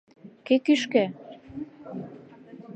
Кӧ кӱшкӧ?!